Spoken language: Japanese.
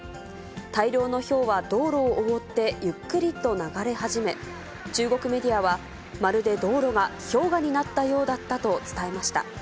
大量のひょうは道路を覆ってゆっくりと流れ始め、中国メディアは、まるで道路が氷河になったようだったと伝えました。